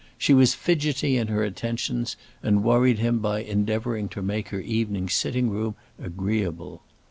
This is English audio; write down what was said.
She was fidgety in her attentions, and worried him by endeavouring to make her evening sitting room agreeable.